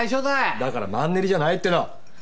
だからマンネリじゃないっての！